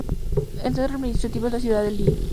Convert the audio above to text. El centro administrativo es la ciudad de Leh.